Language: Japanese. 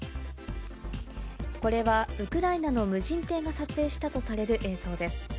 これはウクライナの無人艇が撮影したとされる映像です。